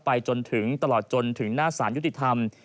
จนถึงตลอดจนถึงหน้าสารยุติธรรม